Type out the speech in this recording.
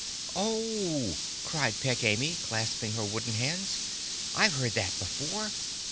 "Oh!" cried Peg Amy, clasping her wooden hands, "I've heard that before!